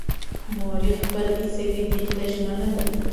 مور یې خپل عیسوي دین ته ژمنه ده.